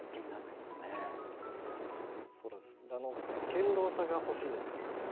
堅ろうさが欲しいんですよね。